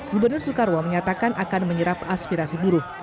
gubernur soekarwo menyatakan akan menyerap aspirasi buruh